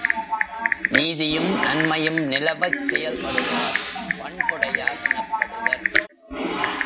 நீதியும் நன்மையும் நிலவச் செயல்படுவார் பண் புடையார் எனப்படுவர்.